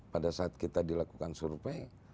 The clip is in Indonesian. pada saat kita dilakukan survei